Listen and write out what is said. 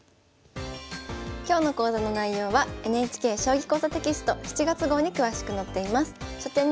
今日の講座の内容はＮＨＫ「将棋講座」テキスト７月号に詳しく載っています。